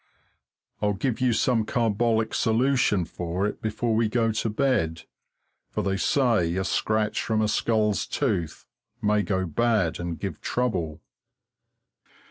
I'll give you some carbolic solution for it before we go to bed, for they say a scratch from a skull's tooth may go bad and give trouble.